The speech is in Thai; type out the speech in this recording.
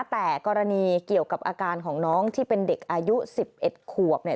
แต่กรณีเกี่ยวกับอาการของน้องที่เป็นเด็กอายุ๑๑ขวบเนี่ย